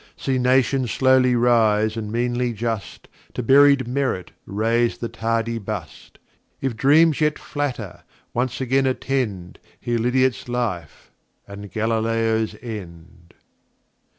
See Nations slowly wise, and meanly just; To buried Merit raise the tardy Bust. If Dreams yet flatter, once again attend, Hear Lydiat's Life, and Galileo's End.